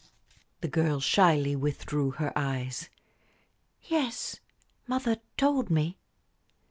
The girl shyly withdrew her eyes. "Yes, mother told me."